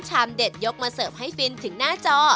เด็ดยกมาเสิร์ฟให้ฟินถึงหน้าจอ